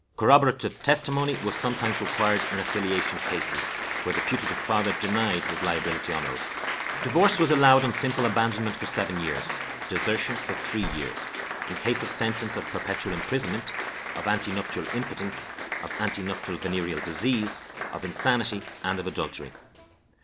Corroborative testimony was sometimes required in affiliation cases, where the putative father denied his liability on oath. Divorce was allowed on simple abandonment for seven years; desertion for three years; in case of sentence of perpetual imprisonment; of ante nuptial impotence; of ante nuptial venereal disease; of insanity; and of adultery.